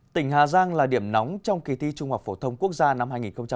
tỉnh hà giang là điểm nóng trong kỳ thi trung học phổ thông quốc gia năm hai nghìn một mươi tám